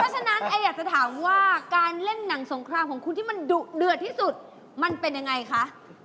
ฉะนั้นไออยากจะถามว่าการเล่นหนังสงครามของคุณที่มันดุเดือดที่สุดมันเป็นยังไงคะ